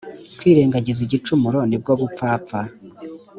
kwirengagiza igicumuro ni bwo bupfapfa